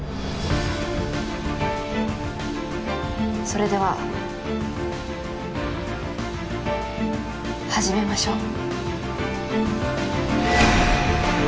それでは始めましょう。